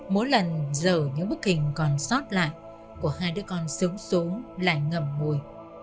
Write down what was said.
mỗi lần dở những bức hình còn sót lại của hai đứa con sướng súng lại ngầm ngùi